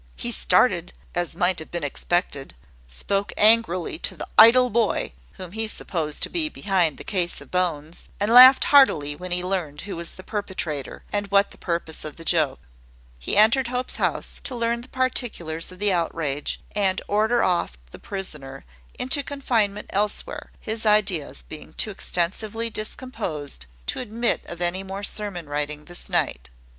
He started, as might have been expected, spoke angrily to the "idle boy" whom he supposed to be behind the case of bones, and laughed heartily when he learned who was the perpetrator, and what the purpose of the joke. He entered Hope's house, to learn the particulars of the outrage, and order off the prisoner into confinement elsewhere, his ideas being too extensively discomposed to admit of any more sermon writing this night.